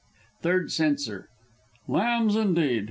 Third Censor. Lambs, indeed!